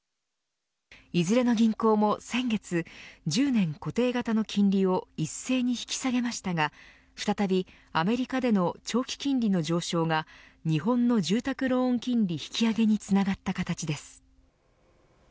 いずれの銀行も先月１０年固定型の金利を一斉に引き下げましたが再びアメリカでの長期金利の上昇が日本の住宅ローン金利引き上げにつながった形です。